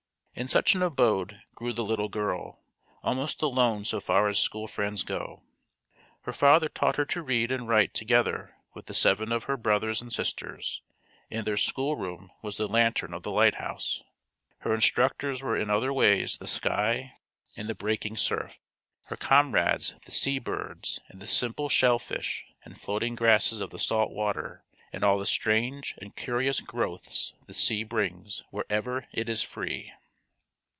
In such an abode grew the little girl, almost alone so far as school friends go. Her father taught her to read and write together with the seven of her brothers and sisters, and their schoolroom was the lantern of the lighthouse. Her instructors were in other ways the sky and the breaking surf; her comrades the sea birds and the simple shell fish and floating grasses of the salt water and all the strange and curious growths the sea brings wherever it is free.